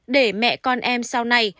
để mẹ con em sau này